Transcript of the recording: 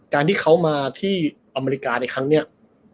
การที่เขามาที่อเมริกาในครั้งนี้